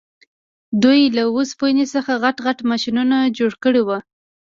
دوی له اوسپنې څخه غټ غټ ماشینونه جوړ کړي وو